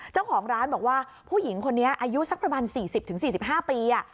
เจ้าของร้านบอกว่าผู้หญิงคนนี้อายุสักประมาณ๔๐๔๕ปี